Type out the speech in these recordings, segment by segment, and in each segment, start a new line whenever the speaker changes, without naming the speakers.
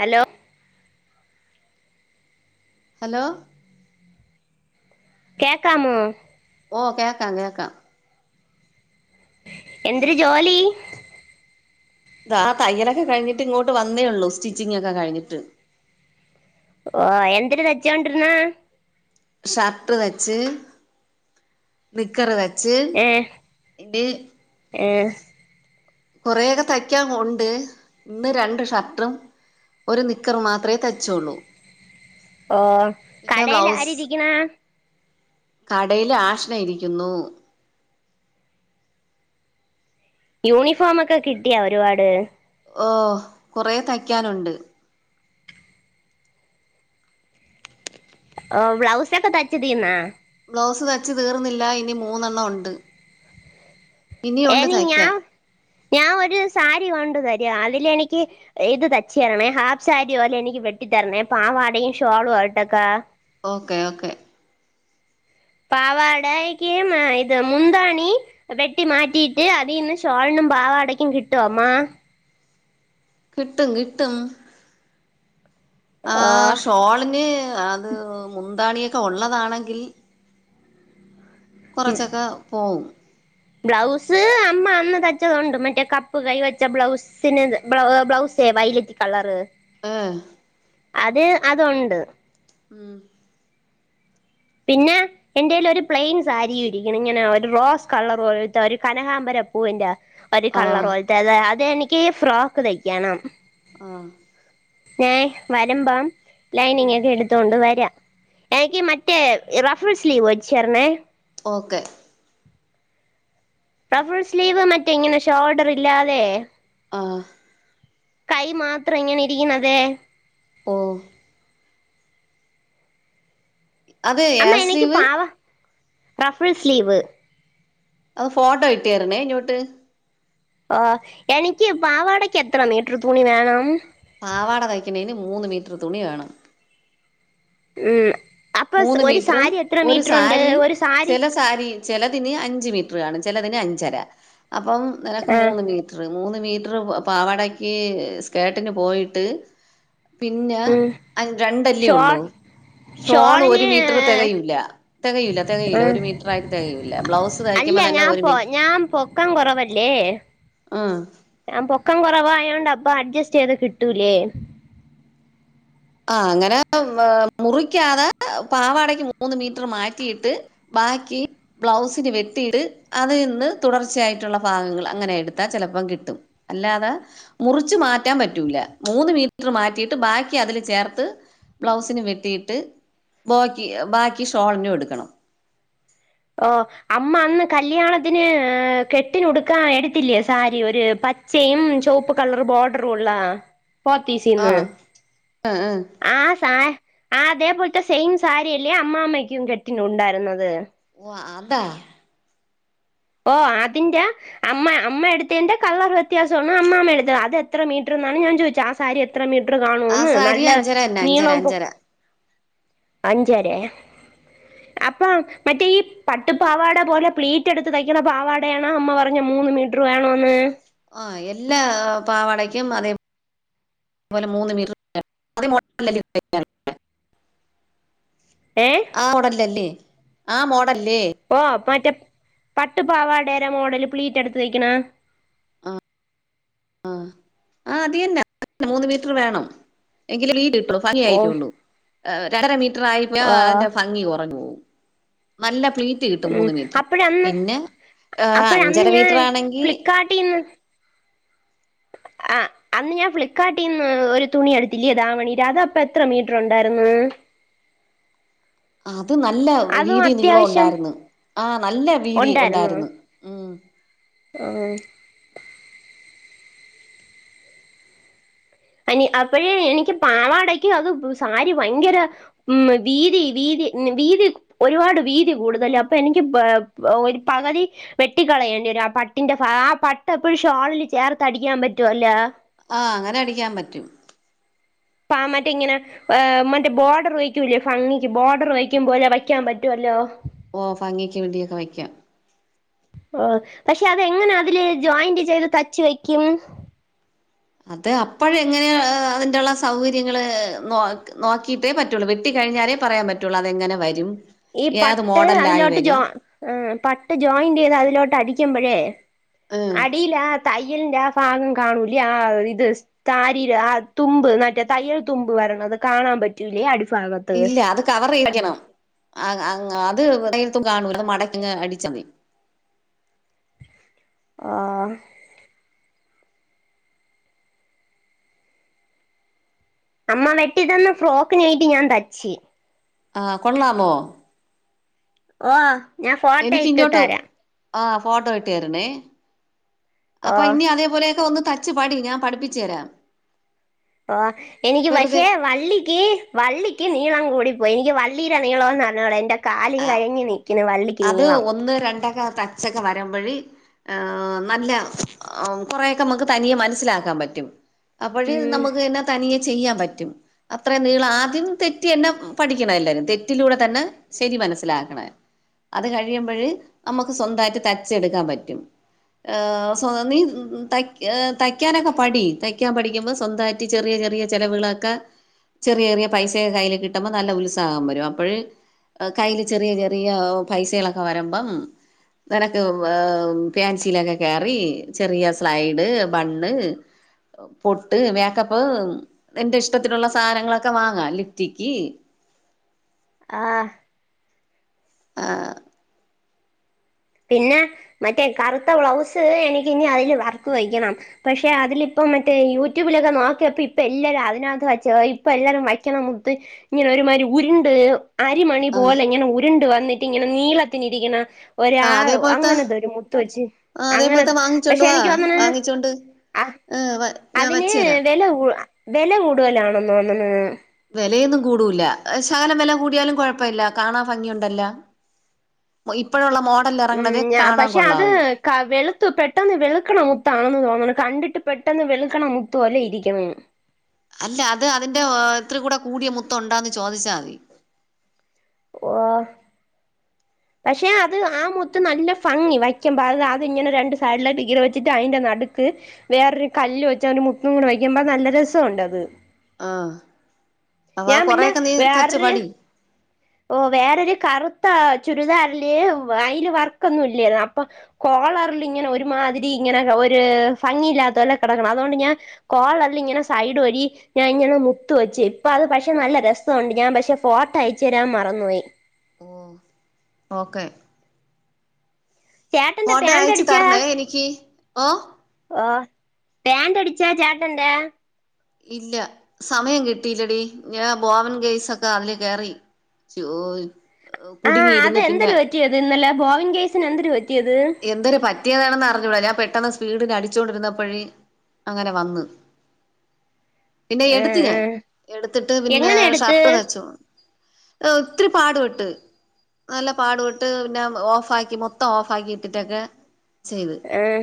Hello
hello
കേക്കാമോ
ഓ കേക്കാം കേക്കാം
എന്തര് ജോലി
ഇതാ തയ്യലൊക്കെ കഴിഞ്ഞിട്ട് ഇങ്ങോട്ട് വന്നേ ഉള്ളൂ സ്റ്റിച്ചിങ്ങക്കെ കഴിഞ്ഞിട്ട്
ഓ എന്തര് തച്ചോണ്ടിരുന്നെ
ഷർട്ട് വെച്ച് നിക്കർ വെ വച്ച്
ഏ
ഇത്
ഏ
കുറെേയൊക്കെ തയ്ക്കാൻ ഉണ്ട് ഇന്ന് രണ്ട് ഷർട്ടും ഒരു നിക്കർ മാത്രമേ തയ്ച്ചോള്ളൂ
ഓ കടേൽ ആരിരിക്കണ്
കടേല് ആഷ്ന ഇരിയ്ക്കുന്നു
യൂണിഫോമൊക്കെ കിട്ടിയാ ഒരുപാട്
ഓ കുറെ തയ്ക്കാനുണ്ട്
ബ്ലൗസ് ഒക്കെ തച്ച് തീർന്നാ
ബ്ലൗസ് തച്ച് തീർന്നില്ല ഇനി മൂന്നെണ്ണം ഉണ്ട് ഇനിയുണ്ട്
എനി ഞാ
തയ്ക്കാൻ
ഞാൻ ഒരു സാരി കൊണ്ട് തര അതിലെനിക്ക് ഇത് തച്ച് തരണേ ഹാഫ് സാരി പോലെ എനിക്ക് വെട്ടി തരണേ പാവാടയും ഷോളും ആയിട്ടക്കാ
ഓക്കേ ഓക്കേ
പാവാടക്ക് ഇത് മുന്താണി വെട്ടി മാറ്റിയിട്ട് അതിന്ന് ഷോളിനും പാവാടക്കും കിട്ടോ അമ്മാ
കിട്ടും കിട്ടും ആ
ഓ
ഷോളിന് അത് മു മുദാണിയൊക്കെ ഉള്ളതാണെങ്കിൽ കൊറച്ചൊക്കെ പോവും
ബ്ലൗസ് അമ്മ അന്ന് തച്ചതുണ്ട് മറ്റേ കപ്പ് കൈ വച്ച ബ്ലൗസിന് ബ്ലൗസേ വൈലറ്റ് കളറ്
ആ
അത് അതുണ്ട്
ഉം
പിന്നെ എന്റെൽ ഒരു പ്ലെയിൻ സാരിയും ഇരിക്കണ് ഇങ്ങനെ ഒരു റോസ് കളർ പോലത്തെ ഒരു കനകാമ്പരപ്പൂവിന്റെ ഒരു കളറ്
ആഹ്
പോലത്തെ അത് അതെനിക്ക് നിക്ക് ഫ്രോക്ക് തയ്ക്കണം
ആ
ഞാൻ വരുമ്പം ലൈനിങ് ഒക്കെ എടുത്തോണ്ട് വരാം എനിക്ക് മറ്റേ റഫുസ്ലീവ് സ്ലീവ് വെച്ചരണെ
ഓക്കെ
റഫ്ഫുസ്ലീവ് സ്ലീവ് മറ്റേ ഇങ്ങനെ ഷോൾഡർ ഇല്ലാതെ
ആ
കൈ മാത്രം ഇങ്ങനെ ഇരിക്കണത്
ഓ അതെ ഏത് സ്ലീവ്
റഫുസ്ലീവ്
അത് ഫോട്ടോ ഇട്ട് തരണേ ഇങ്ങോട്ട്
ഓ എനിക്ക് പാവാടക്ക് എത്ര മീറ്റർ തുണി വേണം
പാവാട തയ്ക്കുന്നേന് മൂന്ന് മീറ്റർ തുണി വേണം
മ്
മൂന്ന് മീറ്ററും ഒരു സാരി
ഒരു സാരി
ചില സാരി ചിലതിന് അഞ്ച് മീറ്റർ [unintelligible] ചെലതിന് അഞ്ചര അപ്പം നിനക്ക്
ആ
മൂന്ന് മീറ്ററ് മൂന്ന് മീറ്റർ പാവാടക്ക് സ്കാട്ടിന് പോയിട്ട് പിന്നെ
ഉം
രണ്ടല്ലേ
ഷോൾ
ഉള്ളൂ ഷോൾ ഒരു
ഷോളിന്
മീറ്റർ തെകയൂല്ല തെകയില്ല
ആ,
തെകയില്ല ഒരു മീറ്റർ ആയിട്ട് തെകയില്ല ബ്ലൗസ്
അല്ല
തയ്ക്കുമ്പ തന്നെ
ഞാൻ
ഒരു
പൊ
മീറ്റർ
ഞാൻ പൊക്കം
ആ
ഞൻ പൊക്കം കൊറവായോണ്ട് അപ്പൊ അഡ്ജസ്റ്റ് ചെയ്ത കിട്ടൂലേ?
ആ അങ്ങനെ ഏ മുറിക്കാതെ പാവാടക്ക് മൂന്ന് മീറ്റർ മാറ്റിയിട്ട് ബാക്കി ബ്ലൗസിന് വെട്ടിയിട്ട് അതിൽ നിന്ന് തുടർച്ചയായിട്ടുള്ള ഭാഗങ്ങൾ അങ്ങനെ എടുത്താൽ ചെലപ്പം കിട്ടും അല്ലാതെ മുറിച്ചു മാറ്റാൻ പറ്റൂല മൂന്ന് മീറ്റർ മാറ്റിയിട്ട് ബാക്കി അതില് ചേർത്ത് ബ്ലൗസിന് വെട്ടീട്ട് ബാക്കി ബാക്കി ഷോൾനും എടുക്കണം.
ഓ അമ്മ അന്ന് കല്യാണത്തിന് കെട്ടിനുടുക്കാ എടുത്തില്ലേ സാരി ഒരു പച്ചയും ചുവപ്പ് കളർ ബോർഡറുംള്ള
ആ
പോത്തീസിന്ന് ആ സാ ആ അതേപോലത്തെ സെയിം സാരിയല്ലേ അമ്മാമ്മയ്ക്കും കെട്ടിനുണ്ടായിരുന്നത്.
ഓ അതാ
ഓ അതിന്റെ അമ്മ അമ്മ എടുത്തതിന്റെ കളർ വ്യത്യാസമാണ് അമ്മാമ്മ എടുത്തത് അത് എത്ര മീറ്റർന്നാണ് ഞാൻ ചോദിച്ചത് ആ സാരി എത്ര മീറ്റർ? ർ
ആ
കാണൂന്ന്
സാരി
നല്ല
അഞ്ചര തന്നെ അഞ്ചര
നീളം
അഞ്ചര
പൊക്ക അഞ്ചരേ അപ്പ മറ്റേ ഈ പട്ടു പാവാട പോലെ പ്ലീറ്റ് എടുത്ത് തയ്ക്കണ പാവാടയാണോ അമ്മ പറഞ്ഞ മൂന്ന് മീറ്റർ വേണോന്ന്
ആ എല്ലാ പാവാടക്ക ക്കും അതേപോലെ മൂന്ന് മീറ്റ
ഏ
ആ വിടല്ലല്ലേ ആ മോ
ഓ പറ്റ പട്ടു പാവാടരെ മോഡല് പ്ലീറ്റ് എടുത്ത തയ്ക്കണ
ആ ആ അത് തന്നെ മൂന്ന് മീറ്റർ വേണം എങ്കിലും ലീട് ഫനി
ഓ
ആയിട്ടൊള്ളു [unintelligible] [unintelligible]
ആ
അതിന്റെ ഭംഗി കുറഞ്ഞു പോവും നല്ല ഫ്ലീറ്റ് കിട്ടും
ഉം
മൂന്ന് മീറ്റർ
അപ്പഴന്ന്
പിന്നെ
അപ്പോഴ അന്ന്
അഞ്ചര
ഞാൻ
മീറ്റർ ആണെങ്കി
ആഹ് അന്ന് ഞാൻ ഫ്ലിപ്പ്കാർട്ടിന്ന് ഒരു തുണി എടുത്തില്ലേ ദാവണിടെ അത് അപ്പൊ എത്ര മീറ്റർ ഉണ്ടായിരുന്നു?
ആ അത് നല്ല
അതും
വീതി നീളം
അത്യാവശ്യം
ഉണ്ടായിരുന്നു ആ നല്ല വീതി ഉണ്ടായിരുന്നു ഉം
ആ അനി അപ്പഴേ എനിക്ക് പാവാടക്ക് അത് സാരി ഭയങ്കര ഉം വീതി വീതി വീതി ഒരുപാട് വീതി കൂടുതൽ അപ്പൊ എനിക്ക് ഒരു പകുതി വെട്ടിക്കളയേണ്ടി വര ആ പട്ടിന്റെ ആ പട്ട് എപ്പോഴും ഷോളില് ചേർത്ത് അടിക്കാൻ പറ്റുവല്ല
ആ അങ്ങനെ അടിക്കാൻ പറ്റും
ആ മറ്റ ഇങ്ങനെ മറ്റേ ബോർഡർ വഴിക്കൂല്ലേ ഭംഗിക്ക് ബോർഡർ വഴിക്കും പോലെ വയ്ക്കാൻ പറ്റുവല്ലോ
ഓ ഭാംഗിക്ക് വേണ്ടിയൊക്കെ വയ്ക്കാം
ഓ പക്ഷെ അതെങ്ങനെ അതില് ജോയിന്റ് ചെയ്ത് തച്ചി വെക്കും
അത് അപ്പഴെങ്ങന അതിൻ്റെള്ള സൗകര്യങ്ങൾ നോ നോക്കിയിട്ടേ പറ്റുള്ളൂ വെട്ടിക്കഴിഞ്ഞാലേ പറയാൻ പറ്റുള്ളൂ അതെങ്ങനെ വരും
ഈ
ഏത്
പട്ട്
മോഡലിലായി
അതിലോട്ട് ജോ
വരും
പട്ട് ജോയിന്റ് ചെയ്ത് അതിലോട്ട് അടിക്കുമ്പഴേ
ഉം
അടിലാ തയ്യൽന്റെ ആ ഫാനം കാണൂല്ലേ ആ ഇത് താരിര് ആ തുമ്പ് മറ്റേ തയ്യൽ തുമ്പ് വരണത് കാണാൻ പറ്റൂലേ അട്
ഇല്ല അത് കവറെയിക്കണം ആങ് ആങ് അത് തയ്യൽ തും കാണൂല്ലാ മടക്കിങ്ങ് അടിച്ച മതി.
ആഹ് അമ്മ വെട്ടി തന്ന ഫ്രോക്ക് ഞയിട്ടി ഞാൻ തച്ചി.
ആ കൊള്ളാമോ?
ഓ ആ ഞാൻ ഫോട്ടോ
എനിക്ക്
ഇട്ടു
ഇങ്ങോട്ട്
തരാ.
ആ ഫോട്ടോ ഇട്ട് തരണേ. അപ്പൊ
ഓഹ്
ഇന്നി അതേപോലെയൊക്കെ ഒന്ന് കച് പാടി ഞാൻ പഠിപ്പിച്ചു എരാ
ഓ എനിക്ക് പക്ഷേ വള്ളിക്കി വള്ളിക്കി നീളംകൂടി പൊ എനിക്ക് വള്ളിടെ നീളൊന്നും അറിഞ്ഞൂടാ എന്റെറ കാലും
ആ
കഴിഞ്ഞി നിക്ക്ന് വള്ളി
അത് ഒന്ന് ര ണ്ടൊക്ക തൻചൊക്കെ വരമ്പോഴി ഏ നല്ല ഒ കൊറേക്കെ മക്ക് തനിയെ മനസിലാക്കാൻ പറ്റും അപ്പോഴ്
ഉം
നമുക്ക് ന്നെ തനിയെ ചെയ്യാൻ പറ്റും അത്ര നീള ആദ്യം തെറ്റ് എന്നെ പഠിക്കണഎല്ലാരും തെറ്റിലൂടെ തന്നെ ശെരി മനസ്സിലാക്കണ അത് കഴിയുമ്പോഴ് നമുക്ക് സ്വന്തായിട്ട് തച്ചെടുക്കാൻ പറ്റും സ്വയ [unintelligible] തയ് തയ്ക്കാനൊക്കെ പഠി തയ്ക്കാൻ പഠിക്കുമ്പോ സ്വന്തായിട്ട് ചെറിയ ചെറിയ ചെലവുകളൊക്കെ ചെറിയ റിയ പൈസയൊക്കെ കയ്യിൽ കിട്ടുമ്പോൾ നല്ല ഉത്സാഹം വരും. അപ്പോഴെ കയ്യിൽ ചെറിയ ചെറിയ പൈസളെക്കെ വരുമ്പം നിനക്ക് ഏ ഫേൻസിയിലൊക്കെ കേയറി ചെറിയ സ്ലൈഡ്, ബണ്ണ്, പൊട്ട്, മേക്കപ്പ് നിന്റെ ഇഷ്ടത്തിനുള്ള സാനങ്ങളൊക്കെ വാങ്ങാ, ലിഫ്റ്റിക്കി
ആ
ആ
പിന്നെ മറ്റേ കറുത്ത ബ്ലൗസ് എനിക്ക് ഇനി അതില് വർക്ക് വയ്ക്കണം. പക്ഷെ അതില് ഇപ്പം മറ്റേ യൂട്യൂബിലൊക്കെ നോക്കിയപ്പ ഇപ്പൊ എല്ലാരും അതിനകത്ത് വച്ച ഇപ്പൊ എല്ലാരും വയ്ക്കണ മുത്ത് ഇങ്ങനെ ഒരുമാരി ഉരുണ്ട് അരിമണി
ആഹ്
പോലെങ്ങനെ ഉരുണ്ട് വ എന്നിട്ട് ഇങ്ങനെ നീളത്തിന് ഇരിക്ക്ണ
ആഹ്
ഒരാളു
അതേപോലത്തെ
അങ്ങനെത്തൊരു മുത്ത് വെച്ച്
ആഹ്
അങ്ങന
അതേപോലത്തെ
പക്ഷെ
വാങ്ങിച്ചോണ്ട് വാ
എനിക്ക് തോന്ന്ണ്
വാങ്ങിച്ചോണ്ട്
ആ
ആഹ് ഞാൻ
അതിന്
വച്ച് തരാം
വെല കൂട വെല കൂടുതലാണൊന്ന് തോന്ന്ണ്
വെലയൊന്നും കൂടൂല്ല. ശകലം വെല കൂടിയാലും കുഴപ്പല്ല കാണാൻ ഫംഗിയുണ്ടല്ലോ ഇപ്പോഴുള്ള മോഡലിൽ
മ്
ഇറങ്ങണതേ
നാ
കാണാൻ
പക്ഷെ അത്
കൊള്ളാവൂ
ക വെളുത്തു പെട്ടെന്ന് വെള്ക്ക്ണ മുത്താണെന്ന് തോന്നണ് കണ്ടിട്ട് പെട്ടെന്ന് വെളുക്കണമുത്തോലെ ഇരിക്കിണ്ന്ന്
അല്ല അത് അതിന്റെ ഓ എത്ര കൂടെ കൂടിയ മുത്ത്ഉണ്ടാന്ന് ചോദിച്ചാമതി
[unintelligible] പക്ഷെ അത് ആ മുത്ത് നല്ല ഫംഗി വയ്ക്കുമ്പോ അത് അത് ഇങ്ങനെ രണ്ട് സൈഡിലോട്ട് ഇങ്ങനെ വെച്ചിട്ട് അയിന്റെ നട്ക്ക് വേറൊരു കല്ല് വെച്ചാ ഒരു മുത്തും കൂടെ വയ്ക്കുമ്പോ നല്ല രസംണ്ട് അത്.
ആ അവ
പിന്നെ
കൊറൊക്കെ നീ തച്ച്
വേറൊരു
പഠി
ഓ വേറൊരു കറുത്ത ചുരിദാറില് അയില് വർക്കൊന്നും ഇല്ല്യാനു അപ്പൊ കോളറിലിങ്ങനെ ഒരുമാതിരി ഇങ്ങനെ ഒരു ഫംഗിയില്ലാതോലെ കിടക്ക്ണ് അതോണ്ട് ഞാൻ കോളറിൽ ഇങ്ങനെ സൈഡ് വഴി ഞാൻ ഇങ്ങനെ മുത്ത് വെച്ച് ഇപ്പ അത് പക്ഷെ നല്ല രസണ്ട് ഞാൻ പക്ഷെ ഫോട്ടോ അയ ച്ച് രാം മറന്നുപോയി.
ഓ ഓക്കെ
ചേട്ടന്റെ
ഫോട്ടോ
പാന്റ് അടിച്ചാ
അയച്ചുതരണേ എനിക്ക് ഓ
ഓ പാന്റ് അടിച്ച ചേട്ടന്റെ
ഇല്ല സമയം കിട്ടില്ലടി ഞാൻ ബോവൻ കേയ്സൊക്കെ അതില് കേറി ച്ചോ
ആ അതെന്തര് പറ്റിയത് ഇന്നലെ ബോവിൻ കേയ്സിന് എന്തെര് പറ്റിയത്
എന്തൊര് പറ്റിയതാണെന്ന് അറിഞ്ഞൂട ഞാ പെട്ടെന്ന് സ്പീഡില് അടിച്ചൊണ്ടിരുന്നപ്പോഴി അങ്ങനെ വന്ന് പിന്നെ
ആ
എടുത്ത്
ആ
ഞാൻ എടുത്തിട്ട് പിന്നെ
എങ്ങനെ എടുത്ത്
ഷർട്ട് തച്ചു ഒത്തിരി പാടുപെട്ട് നല്ല പാടുപെട്ട് പിന്നെ ഓഫ് ആക്കി മൊത്തം ഓഫ് ആക്കി [unintelligible]
ആഹ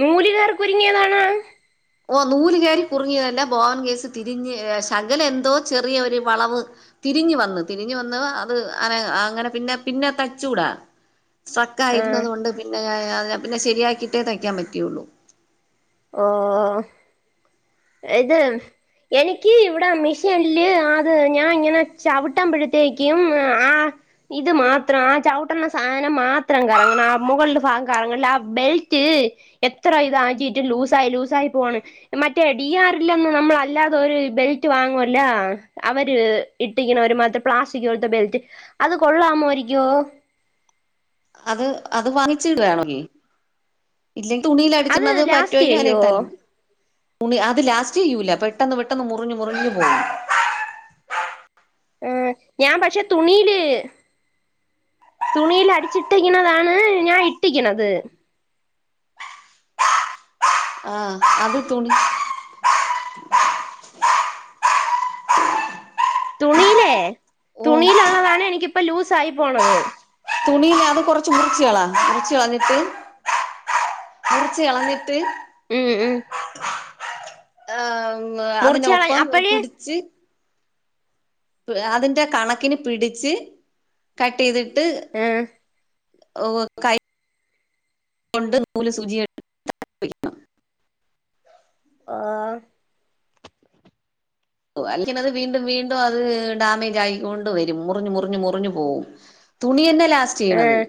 നൂലികയർ കുരുങ്ങിയതാണാ
ഓ നൂല്കയറിൽ കുരുങ്ങിയതന്നെ ബോവൻ കേസ് തിരിഞ്ഞ് ശകലം എന്തോ ചെറിയൊരു വളവ് തിരിഞ്ഞ് വന്ന് തിരിഞ്ഞ് വന്ന് അത് അനെ അങ്ങനെ പിന്നെ പിന്നെ തച്ചൂടാ സ്ട്രക്ക്
ആ
ആയിരുന്നത് കൊണ്ട് പിന്നെ ഞാൻ പിന്നെ ശെരിയാക്കിട്ടേ തയ്ക്കാൻ പറ്റിയുള്ളു
ഓ ഇത് എനിക്ക് ഇവിടെ മിഷീനില് അത് ഞാൻ ഇങ്ങനെ ചവിട്ടമ്പഴത്തേക്കും ആ ഇത് മാത്രം ആ ചവിട്ടണ സാധനം മാത്രം കറങ്ങണം ആ മുകളിലെ ഭാഗം കറങ്ങണില്ല ആ ബെൽറ്റ് എത്ര ഇത് ആക്കിട്ടും ലൂസായി ലൂസായി പോണ് മറ്റ മറ്റേ ഡി ആർല്ലന്ന് നമ്മളല്ലാതെ ഒരു ബെൽറ്റ് വാങ്ങുവല്ല അവര് ഇട്ടിക്കണ ഒരുമാതിരിത്തെ പ്ലാസ്റ്റിക് പോലത്തെ ബെൽറ്റ് അത് കൊള്ളാമാരിക്കോ
അത് അത് വാങ്ങിച്ചിടാണോങ്കി ഇല്ലെങ്കിൽ തുണിൽ
അത്
അടിച്ചിടണത്
ലാസ്റ്റ്
പറ്റുവെങ്കിൽ അങ്ങനെ
ചെയ്യോ
ഇട്ടാലും മതി തുണി അത് ലാസ്റ്റ് ചെയ്യൂല പെട്ടെന്ന് പെട്ടെന്ന് മുറിഞ്ഞു മുറിഞ്ഞു പോവും
ഏ ഞാൻ പക്ഷെ തുണിയില് തുണിയിൽ അടിച്ചിട്ടിക്കുന്നതാണ് ഞാൻ ഇട്ടിക്കണത്
ആഹ അത് തുണി
തുണിയിലേ
ഓ
തുണിയിലുള്ളതാണ് എനിക്കിപ്പ ലൂസ് സായി പോണത്
തുണിയിലെ അത് കുറച്ച് മുറിച്ചുകളാ മുറിച്ച കളഞ്ഞിട്ട് മുറിച്ച് കളഞ്ഞി ട്ട്
ഉം ഉം
ആഹ
മുറിച്ച് കള
അതിനൊപ്പം
അപ്പഴേ
പിടിച്ച് അതിന്റെ കണക്കിന് പിടിച്ച് കട്ട് ചെയ്
ആഹ
കൈ കൊണ്ട് നൂലും സൂചിയ എടുത്തങ്ങ് വെയ്ക്കണം
ഓ
അല്ലെങ്കി അത് വീണ്ടും വീണ്ടും അത് ഡാമേജ് ആയിക്കൊണ്ട് വരും മുറിഞ്ഞുമുറിഞ്ഞു മുറിഞ്ഞു പോവും തുണിതന്നെ
ആഹ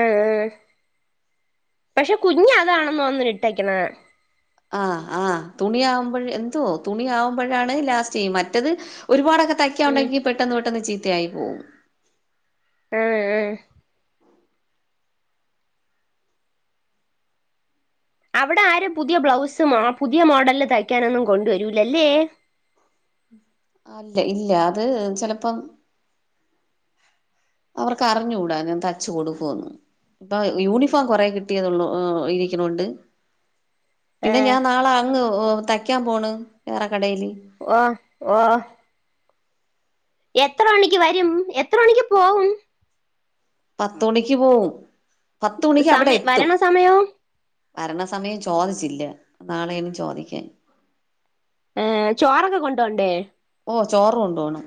ആഹ ആഹ പക്ഷെ കുഞ്ഞി അതാണെന്ന് വന്ന് ഇട്ടക്കണ
ആഹ ആഹ് തുണിയ ആവുമ്പോഴ എന്തോ തുണിയ ആവുമ്പോഴാണ് ലാസ്റ്റ് ചെയ മറ്റത് ഒരുപാടൊക്കെ തയ്ക്കാ
ഉം
ഉണ്ടങ്കി പെട്ടെന്ന് പെട്ടെന്ന് ചീ ത്തയായി പോവും.
ഏ ഏ അവിടെ ആരും പുതിയ ബ്ലൗസ് മാ പുതിയ മോഡലില് തയ്ക്കാനൊന്നും കൊണ്ടുവരൂലല്ലേ.
അല്ല ഇല്ല അത് ചെലപ്പം അവർക്ക് അറിഞ്ഞുകൂടാ ഞാൻ തച്ച് കൊടുക്കൂന്ന്, ഇപ്പ യൂണിഫോം കൊറെ കിട്ടിയത്ള്ളൂ ഇരിക്കണോണ്ട് പിന്നെ
ഏഹ്
ഞാൻ നാള അങ്ങ് ഓ തക്കാൻ പോണ് വേറെ കടേല്.
ഓ ഓഹ് എത്ര മണിക്ക് വരും, എത്ര മണിക്ക് പോവും.
പത്ത് മണിക്ക് പോകും.
സമേ വരണ സമയോ?
വരണ സമയം ചോദിച്ചില്ല, നാളെയനും ചോദിക്കാൻ.
ഏ ചോറൊക്കെ കൊണ്ടോണ്ടേ?
ഓ ചോറ് കൊണ്ടോണം.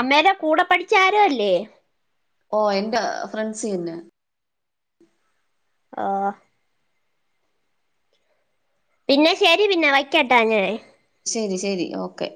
അമ്മേടെ കൂടെ പഠിച്ചരോല്ലേ.
ഓ എന്റെ ഫ്രണ്ട്സ് തന്നെ.
ആ പിന്നെ ശരി പിന്നെ വയ്ക്കട്ട ഞാൻ.
ശരി ശരി ഓക്കെ.